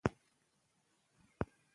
د ماشوم نوکان باید لنډ وساتل شي۔